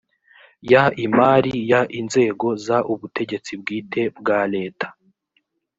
y imari y inzego z ubutegetsi bwite bwa leta